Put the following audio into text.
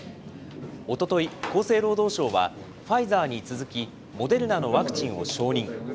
おととい、厚生労働省は、ファイザーに続き、モデルナのワクチンを承認。